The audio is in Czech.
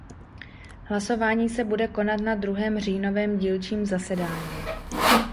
Hlasování se bude konat na druhém říjnovém dílčím zasedání.